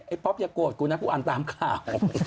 ป๊อปอย่าโกรธกูนะกูอ่านตามข่าว